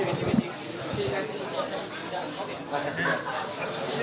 dan ada insistru to challenge suatu lanyi yang tidak pernah mengagumkan